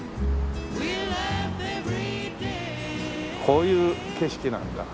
こういう景色なんだ。